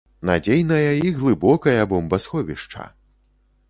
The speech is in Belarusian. Надзейная і глыбокая бамбасховішча!